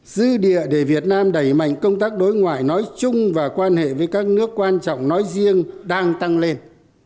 dư địa để việt nam đẩy mạnh công tác đối ngoại nói chung và quan hệ với các nước quan trọng nói riêng đang tăng lên